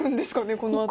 このあと。